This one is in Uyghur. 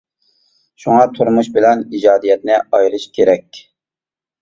شۇڭا تۇرمۇش بىلەن ئىجادىيەتنى ئايرىش كېرەك.